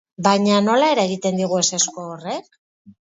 Baina nola eragiten digu ezezko horrek?